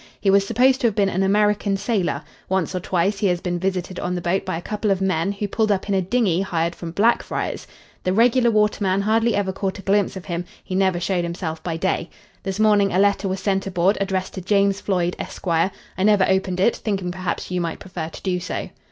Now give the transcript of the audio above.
He was supposed to have been an American sailor. Once or twice he has been visited on the boat by a couple of men who pulled up in a dinghy hired from Blackfriars. The regular waterman hardly ever caught a glimpse of him he never showed himself by day. This morning a letter was sent aboard addressed to James Floyd, Esq. I never opened it, thinking perhaps you might prefer to do so.